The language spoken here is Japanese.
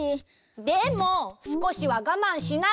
でもすこしはがまんしないと。